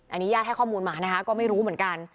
อันนี้ญาติให้ข้อมูลมานะคะก็ไม่รู้เหมือนกัน